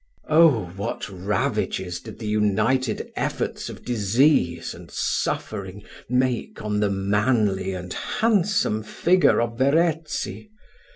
Oh! what ravages did the united efforts of disease and suffering make on the manly and handsome figure of Verezzi!